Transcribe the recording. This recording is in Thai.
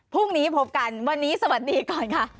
พรุ่งนี้พบกันวันนี้สวัสดีก่อนค่ะ